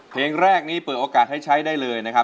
เพลงแรกนี้เปิดโอกาสให้ใช้ได้เลยนะครับ